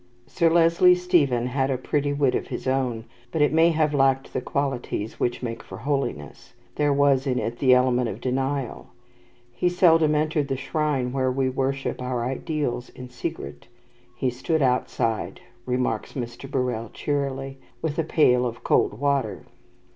Sir Leslie Stephen had a pretty wit of his own, but it may have lacked the qualities which make for holiness. There was in it the element of denial. He seldom entered the shrine where we worship our ideals in secret. He stood outside, remarks Mr. Birrell cheerily, "with a pail of cold water."